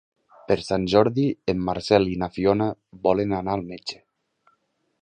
Per Sant Jordi en Marcel i na Fiona volen anar al metge.